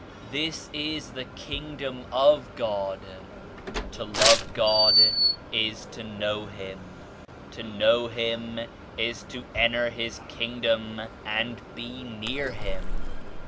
This is the King dom of God. To love God is to know Him. To know Him is to enter His Kingdom and be near .Him.